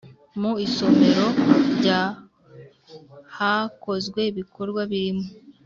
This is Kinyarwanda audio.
Mu isomero rya hakozwe ibikorwa birimo